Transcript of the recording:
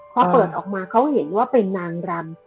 พอเปิดออกมาเขาเห็นว่าเป็นนางรำ